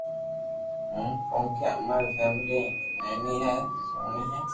ھون ڪونڪو اما رو فيملي نيني ھين سوٺي ھي